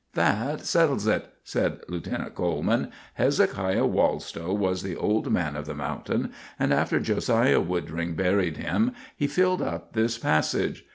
"That settles it," said Lieutenant Coleman. "Hezekiah Wallstow was the old man of the mountain, and after Josiah Woodring buried him he filled up this passage.